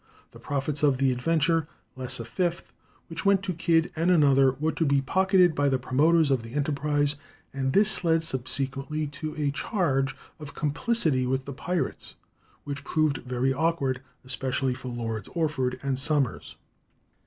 The profits of the adventure, less a fifth, which went to Kidd and another, were to be pocketed by the promoters of the enterprise, and this led subsequently to a charge of complicity with the pirates, which proved very awkward, especially for Lords Orford and Somers.